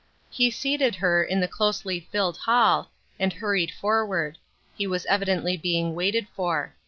He seated her, in the closely filled hall, and hurried forward ; he was evidently being waited for.